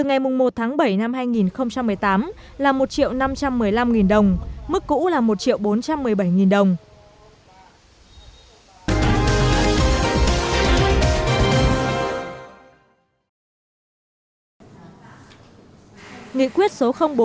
từ ngày hai mươi bảy tháng tám người có công sẽ được tăng trợ cấp theo nghị định số chín trăm chín mươi hai nghìn một mươi tám của chính phủ